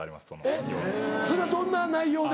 えっそれはどんな内容で？